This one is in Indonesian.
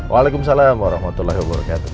waalaikumsalam warahmatullahi wabarakatuh